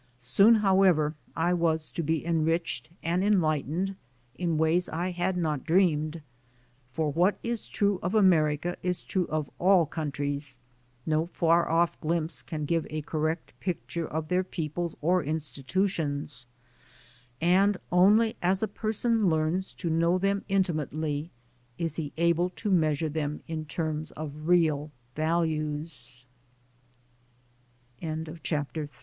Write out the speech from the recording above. Soon, however, I was to be en riched and enlightened in ways I had not dreamed. For what is true of America is true of all coun tries; no far off glimpse can give a correct pic ture of their peoples or institutions, and only as a person learns to know them intimately is he abl